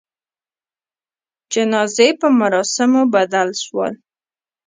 جنازې په مراسموبدل سول.